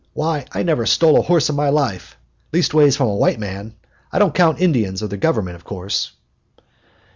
Why, I never stole a horse in my life leastways from a white man. I don't count Indians nor the Government, of course."